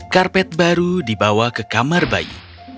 karpet baru dibawa ke kamar bayi